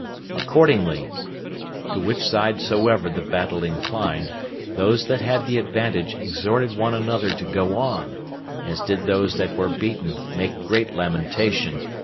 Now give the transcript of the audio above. Accordingly, to which side soever the battle inclined, those that had the advantage exhorted one another to go on, as did those that were beaten make great lamentation.